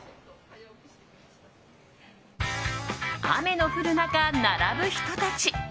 雨の降る中、並ぶ人たち。